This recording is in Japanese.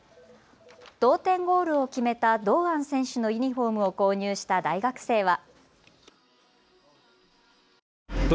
同点ゴールを決めた堂安選手のユニフォームを購入した大学生は。